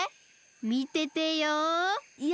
みててよ。